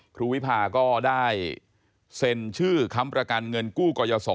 วิพาก็ได้เซ็นชื่อค้ำประกันเงินกู้กรยศ